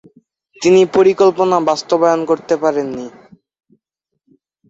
তিনি পরিকল্পনা বাস্তবায়িত করতে পারেননি।